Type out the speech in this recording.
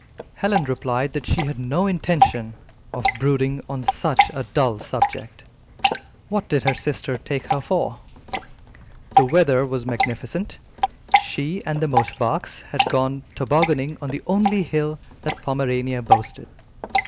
Helen replied that she had no intention of brooding on such a dull subject. What did her sister take her for? The weather was magnificent. She and the Mosebachs had gone tobogganing on the only hill that Pomerania boasted.